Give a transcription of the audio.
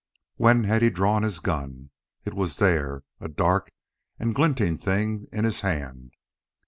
When had he drawn his gun? It was there, a dark and glinting thing in his hand.